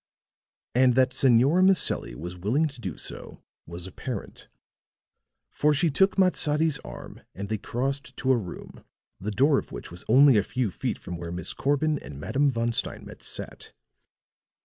And that Senora Maselli was willing to do so was apparent; for she took Matsadi's arm and they crossed to a room, the door of which was only a few feet from where Miss Corbin and Madame Von Steinmetz sat.